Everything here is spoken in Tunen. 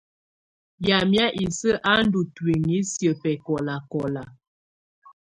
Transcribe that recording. Yamɛ̀á isǝ́ á ndù ntuinyii siǝ́ bɛkɔlakɔla.